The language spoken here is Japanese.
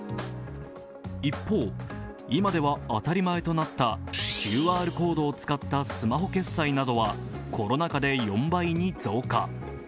一方、今では当たり前となったＱＲコードを使ったスマホ決済などはコロナ禍で４倍に増加。